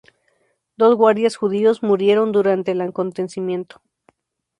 Dos guardias judíos murieron durante el acontecimiento.